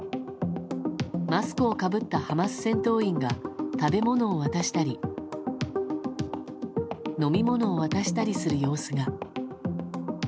マスクをかぶったハマス戦闘員が食べ物を渡したり飲み物を渡したりする様子が。